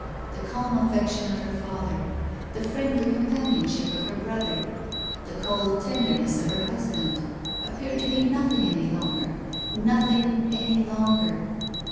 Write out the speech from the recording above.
The calm affection of her father, the friendly companionship of her brother, the cold tenderness of her husband, appeared to her nothing any longer, nothing any longer.